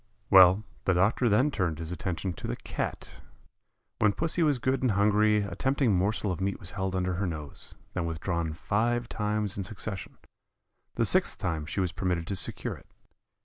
Well, the doctor then turned his attention to the Cat. When pussy was good and hungry a tempting morsel of meat was held under her nose, then withdrawn five times in succession; the sixth time she was permitted to secure it.